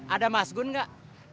ada mas gun gak